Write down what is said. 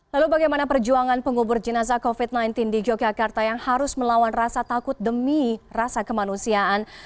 lalu bagaimana perjuangan pengubur jenazah covid sembilan belas di yogyakarta yang harus melawan rasa takut demi rasa kemanusiaan